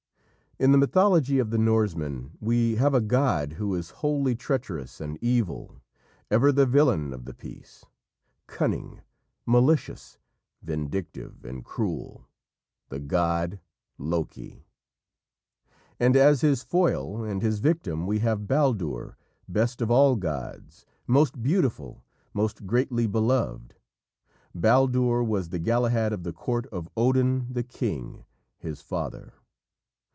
In the mythology of the Norsemen we have a god who is wholly treacherous and evil, ever the villain of the piece, cunning, malicious, vindictive, and cruel the god Loki. And as his foil, and his victim, we have Baldur, best of all gods, most beautiful, most greatly beloved. Baldur was the Galahad of the court of Odin the king, his father.